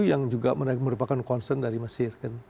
yang juga merupakan concern dari mesir